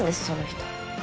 その人。